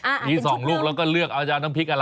มีสองลูกแล้วก็เลือกเอาจะเอาน้ำพริกอะไร